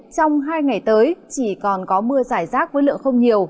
trong hai ngày tới chỉ còn có mưa giải rác với lượng không nhiều